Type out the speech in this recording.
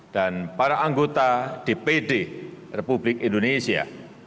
dan para anggota dpd republik indonesia